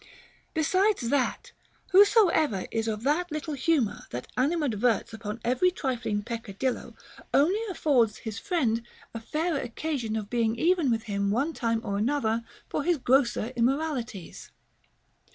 Besides that, whosoever is of that little humor that animadverts upon every trifling peccadillo only affords his friend a fairer occasion of being even with him one time or another for his grosser immoralities.